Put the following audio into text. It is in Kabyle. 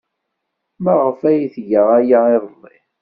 Maɣef ay tga aya iḍelli?